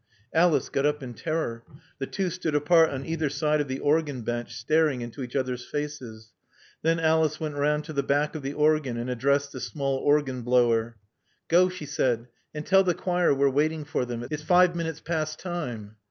Alice got up in terror. The two stood apart on either side of the organ bench, staring into each other's faces. Then Alice went round to the back of the organ and addressed the small organ blower. "Go," she said, "and tell the choir we're waiting for them. It's five minutes past time."